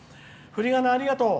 ふりがな、ありがとう。